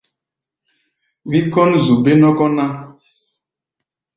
Wí kɔ́n zu bé-nɔ́kɔ́ ná.